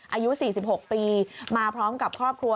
อายุ๔๖ปีมาพร้อมกับครอบครัว